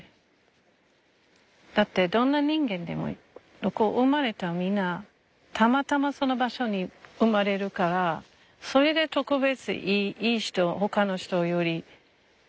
だってどんな人間でも生まれたみんなたまたまその場所に生まれるからそれで特別いい人ほかの人より上とか何でそれあるの？